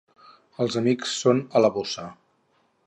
Els amics són a la bossa.